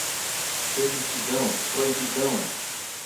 permitidão, proibidão